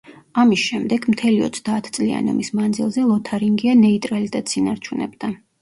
ამის შემდეგ, მთელი ოცდაათწლიანი ომის მანძილზე ლოთარინგია ნეიტრალიტეტს ინარჩუნებდა.